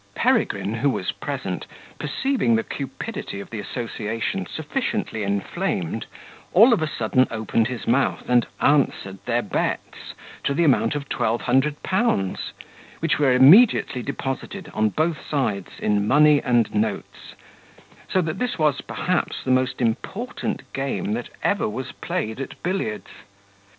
Peregrine, who was present, perceiving the cupidity of the association sufficiently inflamed, all of a sudden opened his mouth, and answered their bets, to the amount of twelve hundred pounds; which were immediately deposited, on both sides, in money and notes; so that this was, perhaps, the most important game that ever was played at billiards.